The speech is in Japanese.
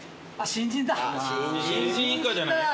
新人以下じゃない？